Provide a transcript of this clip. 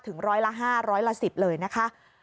ถึงร้อยละ๕ร้อยละ๑๐เลยนะคะ